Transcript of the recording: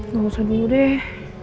gak usah dulu deh